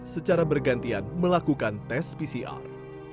secara bergantian melakukan tes pcr